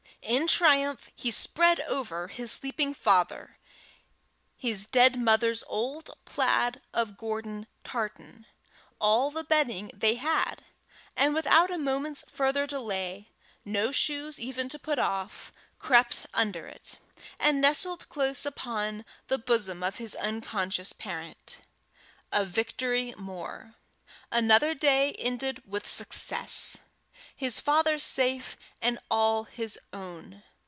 In triumph he spread over his sleeping father his dead mother's old plaid of Gordon tartan, all the bedding they had, and without a moment's further delay no shoes even to put off crept under it, and nestled close upon the bosom of his unconscious parent. A victory more! another day ended with success! his father safe, and all his own!